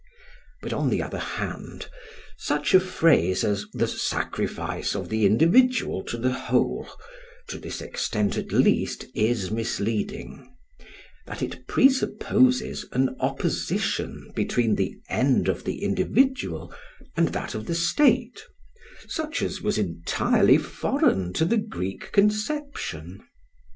But on the other hand such a phrase as the "sacrifice of the individual to the whole", to this extent at least is misleading, that it presupposes an opposition between the end of the individual and that of the State, such as was entirely foreign to the Greek conception.